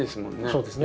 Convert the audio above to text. そうですね。